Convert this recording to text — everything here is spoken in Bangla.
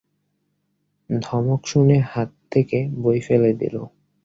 ধমক শুনে হাত থেকে বই ফেলে দিল।